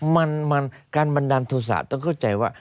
มันการบันดาลโทษะต้องเข้าใจว่า